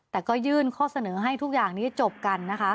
แต่ก็ยื่นข้อเสนอให้ทุกอย่างที่จะจบกัน